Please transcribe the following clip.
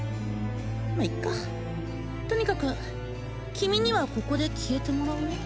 まっいっかとにかく君にはここで消えてもらうね